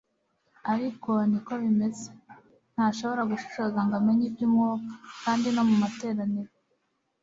ariko niko bimeze. ntashobora gushishoza ngo amenye iby'umwuka, kandi no mu materaniro